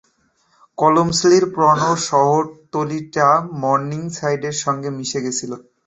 কলমস্লির পুরনো শহরতলিটা মর্নিংসাইডের সঙ্গে মিশে গিয়েছিল।